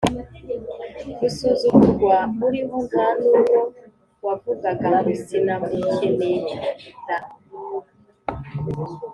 gusuzugurwa uriho nta n’uwo wavuga ngo sinamukenera.